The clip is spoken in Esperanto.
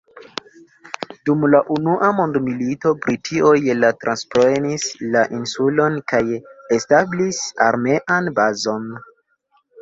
Dum la unua mondmilito Britio je la transprenis la insulon kaj establis armean bazon.